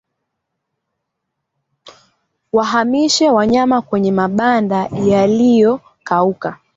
Wahamishe wanyama kwenye mabanda yaliyokauka